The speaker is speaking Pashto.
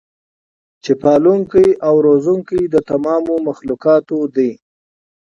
چې پالونکی او روزونکی د تمامو مخلوقاتو دی